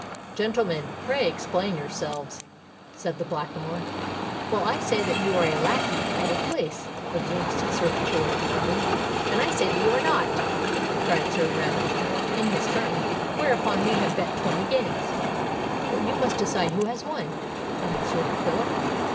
"Gentlemen, pray explain yourselves," said the Blackamoor. "Well—I say that you are a lacquey out of place," observed Sir Phillip Warren. "And I say that you are not," cried Sir Randolph Harral, in his turn; "whereupon we have bet twenty guineas." "And you must decide who has won," added Sir Phillip.